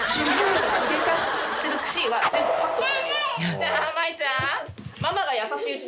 じゃあまいちゃん。